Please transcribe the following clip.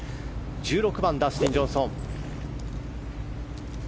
１６番ダスティン・ジョンソン。